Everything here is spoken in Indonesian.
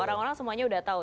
orang orang semuanya udah tahu